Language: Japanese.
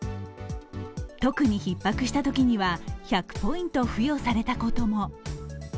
特にひっ迫したときには１００ポイント付与されたことも。